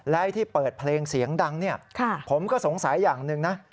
และที่เปิดเพลงเสียงดังผมก็สงสัยอย่างหนึ่งนะ